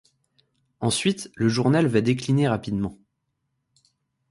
Ensuite, le journal va décliner rapidement.